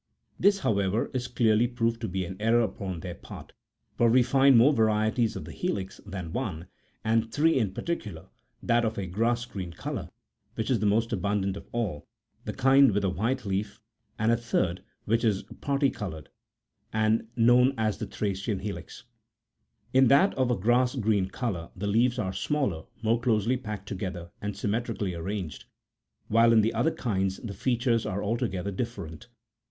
This, however, is clearly proved to be an error upon their part, for we find more varieties of the helix than one, and three in particular — that of a grass green colour, which is the most abundant of all, the kind wTith a white leaf, and a third, which is parti coloured, and known as the Thracian helix. In that of a grass green colour, the leaves are smaller, more closely packed together, and symmetri cally arranged ; while in the other kinds the features are alto gether different.